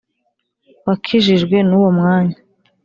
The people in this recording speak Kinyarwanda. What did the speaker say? Wakijijwe n uwo mwanya